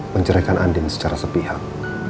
mencerahkan andin secara sepihak